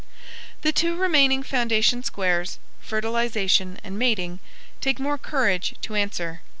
The two remaining foundation squares, fertilization and mating, take more courage to answer.